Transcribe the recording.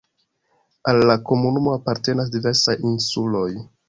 Al la komunumo apartenas diversaj insuloj.